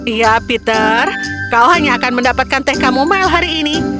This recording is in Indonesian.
iya peter kau hanya akan mendapatkan teh kamule hari ini